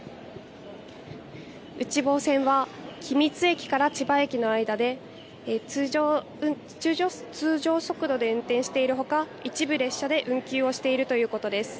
内房線は君津駅から千葉駅の間で、通常速度で運転しているほか、一部列車で運休をしているということです。